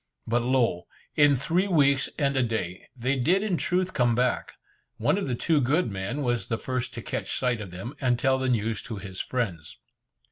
But lo! in three weeks and a day, they did in truth come back. One of the two good men was the first to catch sight of them, and tell the news to his friends.